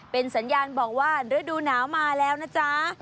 เป็นสัญญาณบอกว่าฤดูหนาวมาแล้วนะจ๊ะ